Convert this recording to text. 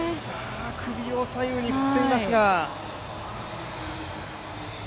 首を左右に振っていますが。